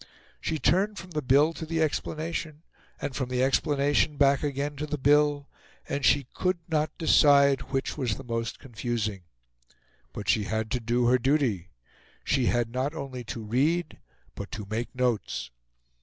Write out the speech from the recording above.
She turned from the Bill to the explanation, and from the explanation back again to the Bill, and she could not decide which was the most confusing. But she had to do her duty: she had not only to read, but to make notes.